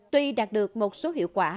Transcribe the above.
tuy đạt được một số hiệu quả